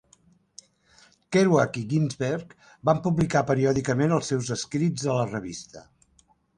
Kerouac i Ginsberg van publicar periòdicament els seus escrits a la revista.